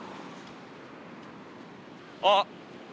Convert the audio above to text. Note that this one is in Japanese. あっ！